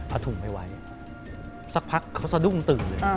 เอาถุงไปไว้สักพักเขาสะดุ้งตื่นเลย